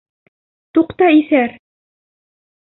Туҡта, иҫәр!